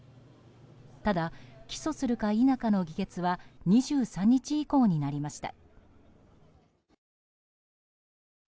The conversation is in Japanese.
ただ、起訴するか否かの議決は２３日以降になりました。